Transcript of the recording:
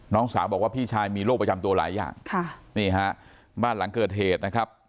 น้องสาวบอกว่าพี่ชายมีโรคประจำตัวหลายอย่างค่ะนี่ฮะบ้านหลังเกิดเหตุนะครับ